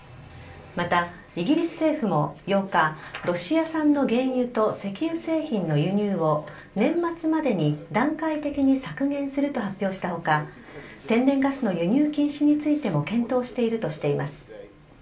またイギリス政府も８日、ロシア産の原油と石油製品の輸入を年末までに段階的に削減すると発表したほか、天然ガスの輸入禁止についても検討しているとしています。